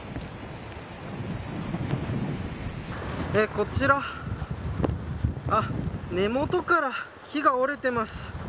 こちら根本から木が折れています。